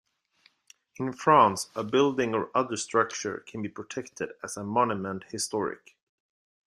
In France a building or other structure can be protected as a Monument historique.